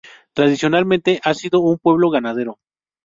Tradicionalmente ha sido un pueblo ganadero.